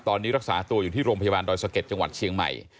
ตอนนี้รักษาตัวอยู่ที่โรงพยาบาลดอยสะเก็ดจังหวัดเชียงใหม่